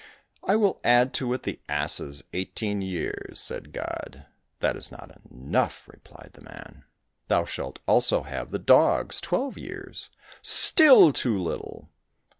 "I will add to it the ass's eighteen years," said God. "That is not enough," replied the man. "Thou shalt also have the dog's twelve years." "Still too little!"